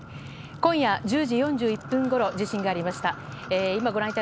今夜１０時４１分ごろ地震がありました。